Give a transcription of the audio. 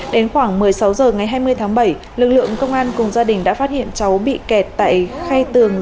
đến khoảng một mươi sáu h ngày hai mươi tháng bảy lực lượng công an cùng gia đình đã phát hiện cháu bị kẹt tại khay tường